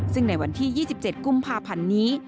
ซึ่งในวันที่๒๗กุมภาพันธ์นี้